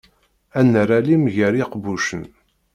Ad nerr alim gar yiqbucen.